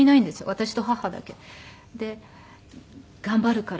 私と母だけ。で頑張るからって。